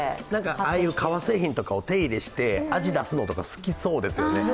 ああいう革製品とか手入れして味出すのとか好きそうですよね